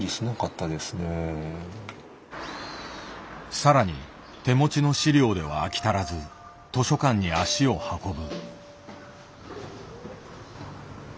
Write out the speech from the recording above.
さらに手持ちの資料では飽き足らず図書館に足を運ぶ。